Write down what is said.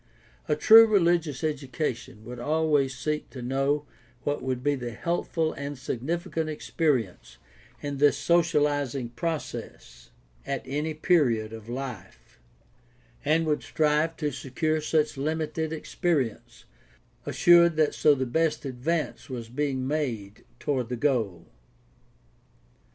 A true religious educa tion would always seek to know what would be the healthful and significant experience in this socializing process at any period of life, and would strive to secure such limited experi ence, assured that so the best advance was being made toward the goal.